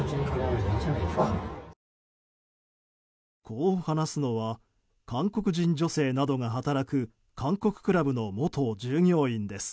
こう話すのは韓国人女性などが働く韓国クラブの元従業員です。